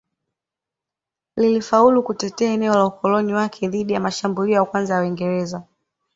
Lilifaulu kutetea eneo la ukoloni wake dhidi ya mashambulio ya kwanza ya Waingereza